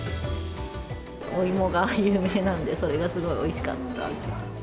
おいもが有名なんで、それがすごいおいしかった。